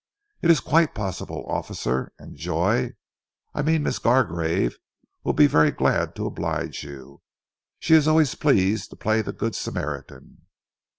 "It is quite possible, Officer, and Joy I mean Miss Gargrave will be very glad to oblige you. She is always pleased to play the Good Samaritan."